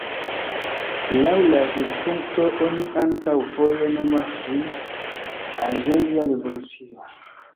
Laŭ la vidpunkto, oni ankaŭ foje nomas ĝin "alĝeria revolucio".